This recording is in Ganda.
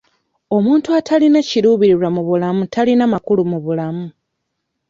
Omuntu atalina kiruubirirwa mu bulamu talina makulu mu bulamu.